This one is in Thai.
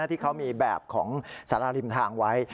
ที่เขามีแบบของสาราริมทางไว้